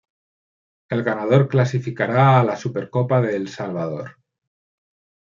El ganador clasificará a la Supercopa de El Salvador.